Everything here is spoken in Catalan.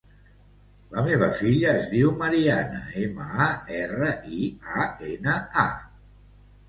La meva filla es diu Mariana: ema, a, erra, i, a, ena, a.